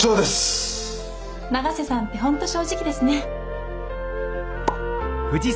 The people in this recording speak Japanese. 永瀬さんって本当正直ですね。